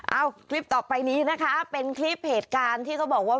คลิปต่อไปนี้นะคะเป็นคลิปเหตุการณ์ที่เขาบอกว่า